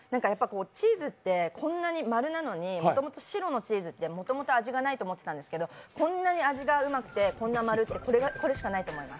チーズって、こんなに丸なのにもともと白のチーズってもともと味がないと思ってたんですけど、こんなに味がうまくてこんなに丸くて、これしかないと思います。